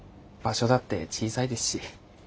場所だって小さいですし。